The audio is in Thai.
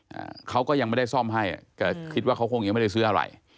อ่าเขาก็ยังไม่ได้ซ่อมให้อ่ะแต่คิดว่าเขาคงยังไม่ได้ซื้ออะไร